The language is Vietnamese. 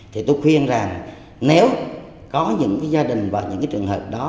thì tôi khuyên rằng nếu có những cái gia đình vào những cái trường hợp đó